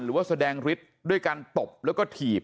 หรือว่าแสดงฤทธิ์ด้วยการตบแล้วก็ถีบ